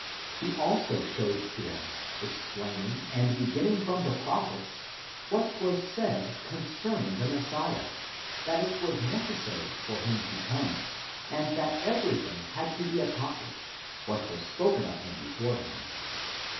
He also showed to them, ex plaining and beginning from the prophets, what was said concerning the Messiah,^ that it was necessary for him to come, and that everything had to be ac complished, what was spoken of him beforehand.